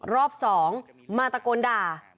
รอบ๒มาตะโกนด่า